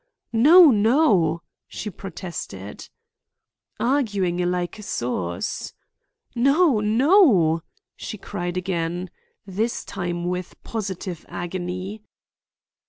"No, no!" she protested. "Arguing a like source." "No, no," she cried again, this time with positive agony.